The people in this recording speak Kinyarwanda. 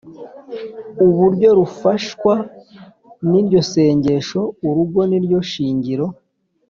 uburyo rufashwa n’iryo sengesho: “urugo niryo shingiro